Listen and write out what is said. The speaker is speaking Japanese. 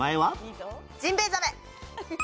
ジンベエザメ。